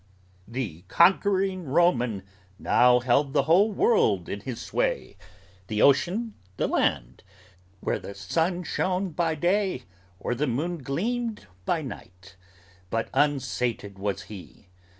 "The conquering Roman now held the whole world in his sway, The ocean, the land; where the sun shone by day or the moon Gleamed by night: but unsated was he.